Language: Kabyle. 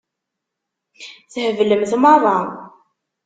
Theblemt meṛṛa.